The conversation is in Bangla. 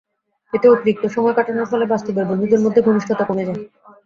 এতে অতিরিক্ত সময় কাটানোর ফলে বাস্তবের বন্ধুত্বের মধ্যে ঘনিষ্ঠতা কমে যায়।